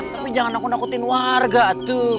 tapi jangan nakut nakutin warga tuh